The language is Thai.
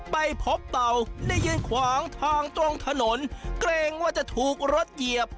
ไปพบเต่าได้ยืนขวางทางตรงถนนเกรงว่าจะถูกรถเหยียบ